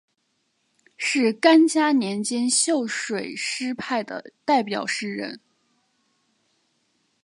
是干嘉年间秀水诗派的代表诗人。